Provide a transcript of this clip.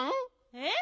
えっ？